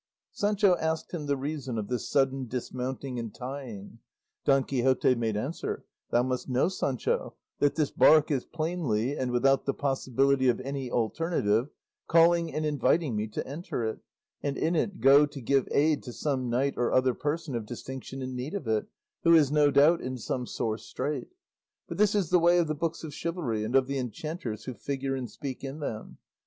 Sancho asked him the reason of this sudden dismounting and tying. Don Quixote made answer, "Thou must know, Sancho, that this bark is plainly, and without the possibility of any alternative, calling and inviting me to enter it, and in it go to give aid to some knight or other person of distinction in need of it, who is no doubt in some sore strait; for this is the way of the books of chivalry and of the enchanters who figure and speak in them.